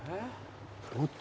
どっち？